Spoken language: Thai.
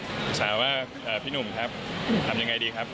ปรึกษาว่าพี่หนุ่มครับทำยังไงดีครับ